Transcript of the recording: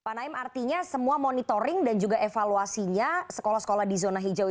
pak naim artinya semua monitoring dan juga evaluasinya sekolah sekolah di zona hijau